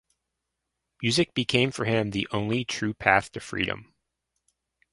Music became for him the only true path to freedom.